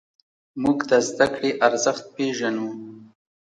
موږ د زدهکړې ارزښت پېژنو.